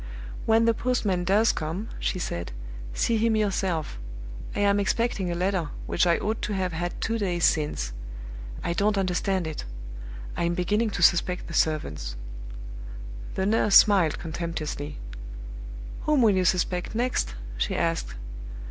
"When the postman does come," she said, "see him yourself. I am expecting a letter which I ought to have had two days since. I don't understand it. I'm beginning to suspect the servants." The nurse smiled contemptuously. "Whom will you suspect next?" she asked.